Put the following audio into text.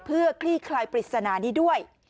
เพื่อคลี่คลายปริศนานี้ด้วย